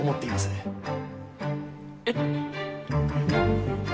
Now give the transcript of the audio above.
えっ。